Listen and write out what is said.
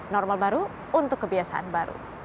normal baru untuk kebiasaan baru